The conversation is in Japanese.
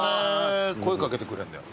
声掛けてくれんだよ。